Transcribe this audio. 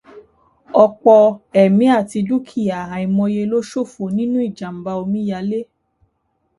Ọ̀pọ̀ ẹ̀mí àti dúkìá àìmoye ló ṣòfò nínú ìjàmbá omíyalé